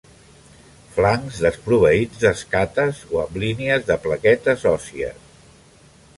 Flancs desproveïts d'escates o amb línies de plaquetes òssies.